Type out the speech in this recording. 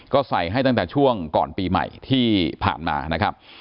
ก็ใส่ให้ตั้งแต่ช่วงก่อนปีใหม่ที่ผ่านมานะครับ